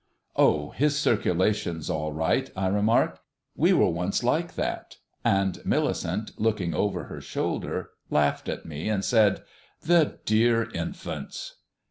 "Oh! his circulation's all right," I remarked. "We were once like that," and Millicent, looking over her shoulder, laughed at me, and said: "The dear infants!"